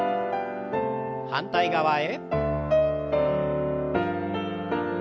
反対側へ。